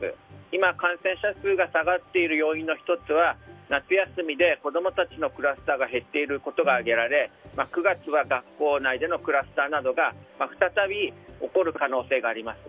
今、感染者数が下がっている要因の１つは夏休みで子供たちのクラスターが減っていることが挙げられ９月は学校内でのクラスターなどが再び起こる可能性があります。